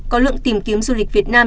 có lượng tìm kiếm du lịch việt nam